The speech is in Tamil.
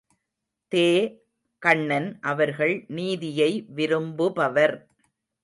தே.கண்ணன் அவர்கள் நீதியை விரும்புபவர்.